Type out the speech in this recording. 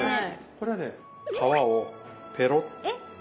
これはね皮をペロッ。